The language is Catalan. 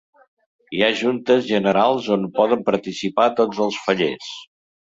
Hi ha juntes generals on poden participar tots els fallers.